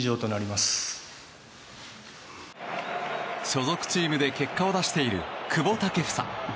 所属チームで結果を出している久保建英。